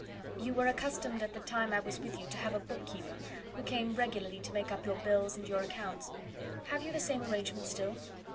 "You were accustomed at the time I was with you to have a bookkeeper, who came regularly to make up your bills and your accounts. Have you the same arrangement still?"